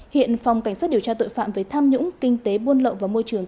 hiện phòng cảnh sát điều tra tội phạm với tham nhũng kinh tế buôn lộn vào môi trường